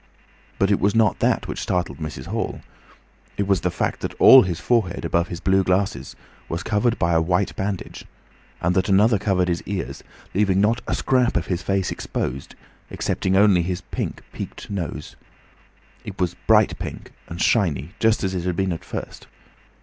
But it was not that which startled Mrs. Hall. It was the fact that all his forehead above his blue glasses was covered by a white bandage, and that another covered his ears, leaving not a scrap of his face exposed excepting only his pink, peaked nose. It was bright, pink, and shiny just as it had been at first.